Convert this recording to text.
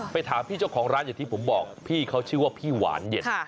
ถามพี่เจ้าของร้านอย่างที่ผมบอกพี่เขาชื่อว่าพี่หวานเย็น